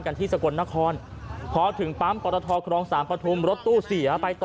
กันที่สกลนครพอถึงปั๊มปมต์ปอตทครองสางพัดภอมรถตู้เสียไปต่อ